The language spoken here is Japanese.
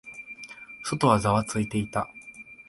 外はざわついていた。